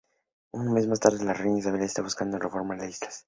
Un mes más tarde, la Reina Isabella está buscando reformar las islas.